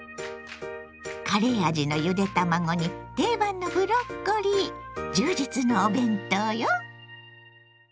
カレー味のゆで卵に定番のブロッコリー充実のお弁当よ。